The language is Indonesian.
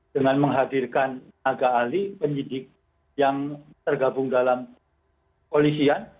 dengan menghadirkan naga ahli penyidik yang tergabung dalam polisian